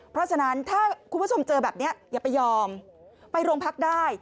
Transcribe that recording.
เพราะฉะนั้นถ้าคุณผู้ชมเจอแบบนี้อย่าไปยอมไปโรงพักได้